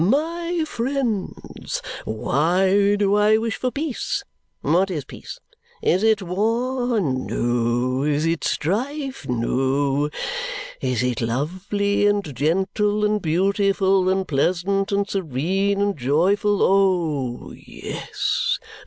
My friends, why do I wish for peace? What is peace? Is it war? No. Is it strife? No. Is it lovely, and gentle, and beautiful, and pleasant, and serene, and joyful? Oh, yes!